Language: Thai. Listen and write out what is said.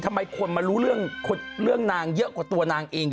ทำไมคนมารู้เรื่องนางเยอะกว่าตัวนางเอง